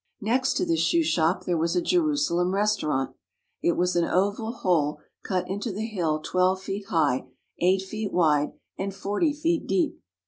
Next to this shoe shop there was a Jerusalem restau rant. It was an oval hole cut into the hill twelve feet high, eight feet wide, and forty feet deep.